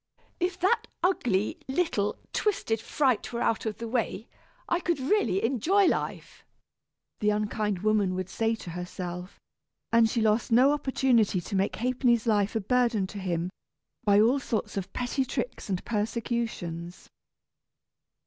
"If that ugly, little, twisted fright were out of the way, I could really enjoy life," the unkind woman would say to herself; and she lost no opportunity to make Ha'penny's life a burden to him, by all sorts of petty tricks and persecutions.